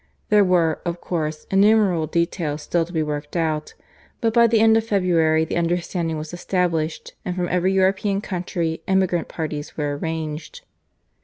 There were, of course, innumerable details still to be worked out, but by the end of February the understanding was established, and from every European country emigrant parties were arranged.